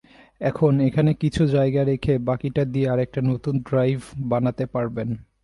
এখন এখানে কিছু জায়গা রেখে বাকিটা দিয়ে আরেকটা নতুন ড্রাইভ বানাতে পারবেন।